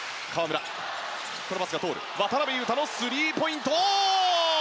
渡邊雄太のスリーポイント！